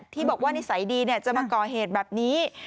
ที่บอกว่านิสัยดีจะมาก่อเหตุแบบนี้